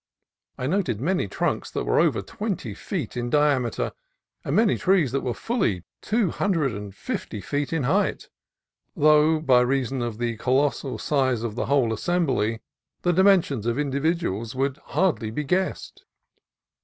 I noted many trunks that were over twenty feet in diameter, and many trees that were fully two hundred and fifty feet in height: though by reason of the colossal size of the whole assembly the dimensions of individuals would hardly be guessed.